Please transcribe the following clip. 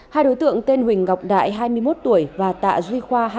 hai đối tượng tên huỳnh ngọc đại hai mươi một tuổi và tạ duy khoa